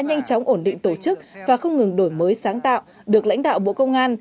nhanh chóng ổn định tổ chức và không ngừng đổi mới sáng tạo được lãnh đạo bộ công an